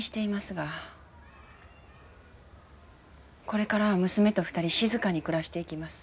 これからは娘と２人静かに暮らしていきます。